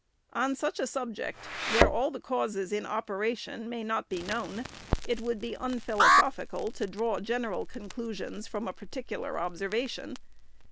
On such a subject, where all the causes in operation may not be known, it would be un philosophical to draw general conclusions from a particular observation.